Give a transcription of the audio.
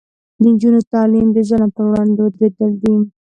د نجونو تعلیم د ظلم پر وړاندې دریدل دي.